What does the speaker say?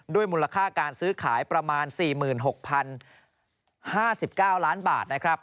มูลค่าการซื้อขายประมาณ๔๖๐๕๙ล้านบาทนะครับ